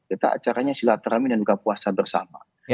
kita acaranya silaturahmi dan buka puasa bersama